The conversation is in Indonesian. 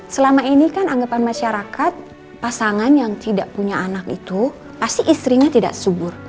selama ini kan anggapan masyarakat pasangan yang tidak punya anak itu pasti istrinya tidak subur